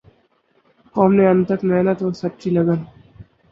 قوم نے انتھک محنت اور سچی لگن